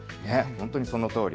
本当にそのとおり。